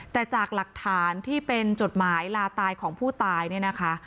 แต่จากหลักฐานที่เป็นจดหมายลาตายของผู้ตายเนี่ยนะคะ